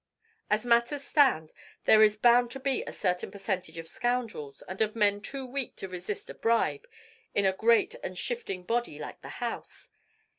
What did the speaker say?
As matters stand, there is bound to be a certain percentage of scoundrels and of men too weak to resist a bribe in a great and shifting body like the House.